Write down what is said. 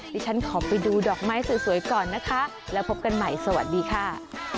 ดิฉันขอไปดูดอกไม้สวยก่อนนะคะแล้วพบกันใหม่สวัสดีค่ะ